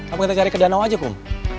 apo kita cari ke danau aja kum